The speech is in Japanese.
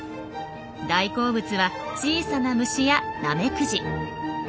大好物は小さな虫やナメクジ。